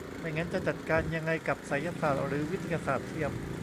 ไม่งั้นจะจัดการยังไงกับไสยศาสตร์หรือวิทยาศาสตร์เทียม